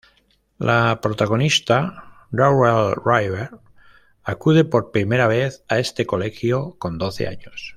La protagonista, Darrell Rivers, acude por primera vez a este colegio con doce años.